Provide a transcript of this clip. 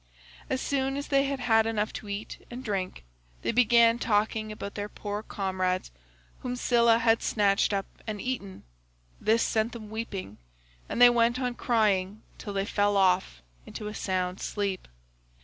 As soon as they had had enough to eat and drink, they began talking about their poor comrades whom Scylla had snatched up and eaten; this set them weeping and they went on crying till they fell off into a sound sleep.